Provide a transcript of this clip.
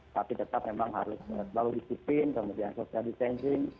tapi tetap memang harus selalu disiplin kemudian social distancing